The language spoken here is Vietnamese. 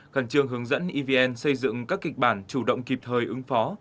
khẩn trương hướng dẫn evn xây dựng các kịch bản chủ động kịp thời ứng phó